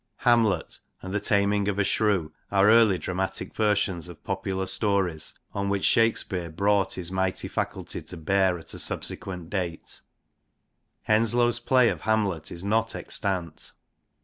Hamlet and The Tamynge of A Shrowe are early dramatic versions of popular stories, on which Shakespeare brought his mighty faculty to bear at a sub sequent date. Henslowe's play of Hamlet is not extant.